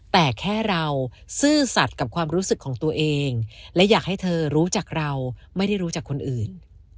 แต่แค่เราซื่อสัตว์กับความรู้สึกของตัวเองและอยากให้เธอรู้จักเราไม่ได้รู้จักคนอื่น